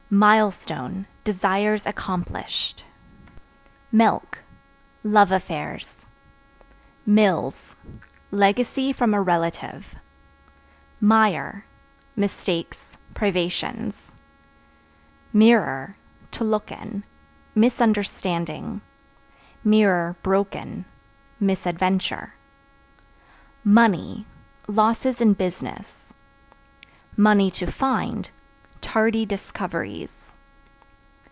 Milestone Desires accomplished. Milk Love affairs. Mills Legacy from a relative Mire Mistakes, privations. Mirror (To look in) misunderstanding; (broken) misadventure. Money Losses in business; (to find) tardy discoveries.